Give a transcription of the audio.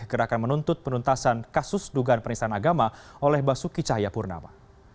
gerakan menuntut penuntasan kasus dugaan perintisan agama oleh basuki cahaya purnama